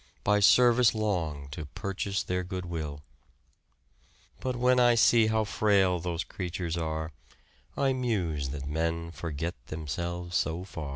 By service long to purchase their good will, But when I see how frail those creatures are, I muse that men forget themselves so far.